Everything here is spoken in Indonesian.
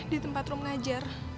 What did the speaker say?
di tempat rum ngajar